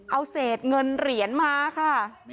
เอาเศษเงินเหรียญมาค่ะ